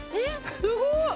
すごーい！